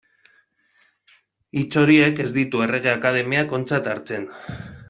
Hitz horiek ez ditu Errege Akademiak ontzat hartzen.